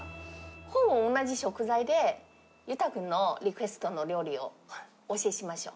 ほぼ同じ食材で、裕太君のリクエストの料理をお教えしましょう。